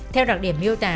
theo đặc điểm miêu tả